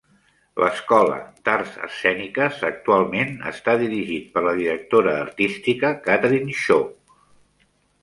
L'Escola d'Arts Escèniques actualment està dirigit per la directora artística Kathryn Shaw.